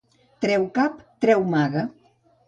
Treu cap, treu maga.